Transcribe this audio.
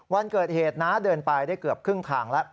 วันเกิดเหตุน้าเดินไปได้เกือบครึ่งทางแล้ว